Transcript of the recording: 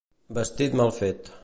Vestit mal fet.